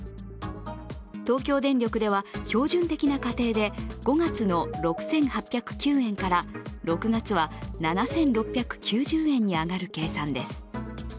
東京電力では標準的な家庭で５月の６８０９円から６月は７６９０円に上がる計算です。